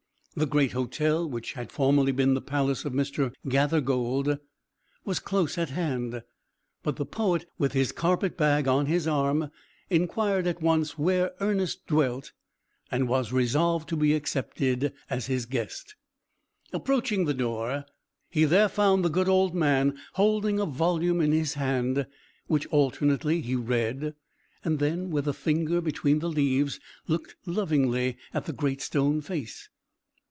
The great hotel, which had formerly been the palace of Mr. Gathergold, was close at hand, but the poet, with his carpet bag on his arm, inquired at once where Ernest dwelt, and was resolved to be accepted as his guest. Approaching the door, he there found the good old man holding a volume in his hand, which alternately he read, and then, with a finger between the leaves, looked lovingly at the Great Stone Face.